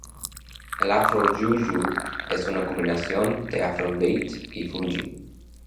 El afro-jújù es una combinación de afrobeat y fuji.